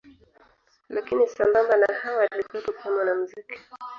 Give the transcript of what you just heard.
Lakini sambamba na hao alikuweo pia mwanamuziki